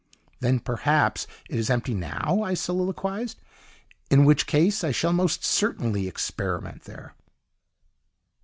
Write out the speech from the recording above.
"Then, perhaps, it is empty now?" I soliloquised, "in which case I shall most certainly experiment there."